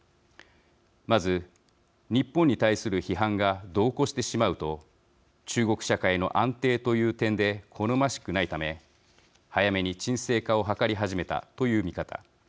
まず、日本に対する批判が度を越してしまうと中国社会の安定という点で好ましくないため早めに鎮静化を図り始めたという見方。